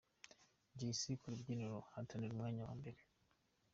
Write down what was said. Jay C ku rubyiniro ahatanira umwanya wa mbere.